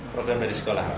program dari sekolah